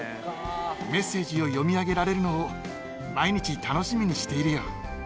メッセージを読み上げられるのを毎日楽しみにしているよ。